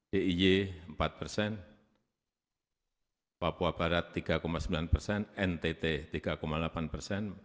diy empat persen papua barat tiga sembilan persen ntt tiga delapan persen